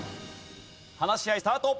話し合いスタート。